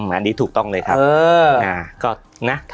อันนี้ถูกต้องเลยครับ